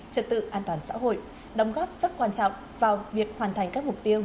trật tự an toàn xã hội đóng góp rất quan trọng vào việc hoàn thành các mục tiêu